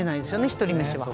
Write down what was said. １人飯は。